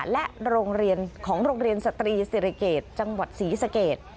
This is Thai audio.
และโรงเรียนของโรงเรียนสตรีศิริเกตจังหวัดศรีสเกต